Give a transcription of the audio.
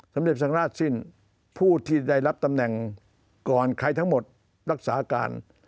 สำเร็จสังราชสิ้นผู้ที่ได้รับตำแหน่งก่อนใครทั้งหมดรักษาการ